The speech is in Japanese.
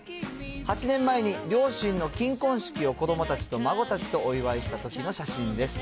８年前に両親の金婚式を子どもたちと孫たちとお祝いしたときの写真です。